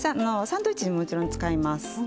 サンドイッチにももちろん使います。